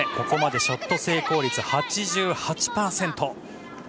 ここまでショット成功率８８％。